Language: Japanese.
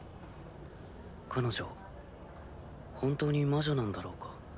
彼女本当に魔女なんだろうか？